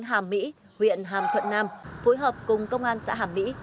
hàm mỹ huyện hàm thuận nam phối hợp cùng công an xã hàm mỹ